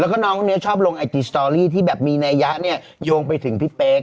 แล้วก็น้องคนนี้ชอบลงไอจีสตอรี่ที่แบบมีนัยยะเนี่ยโยงไปถึงพี่เป๊ก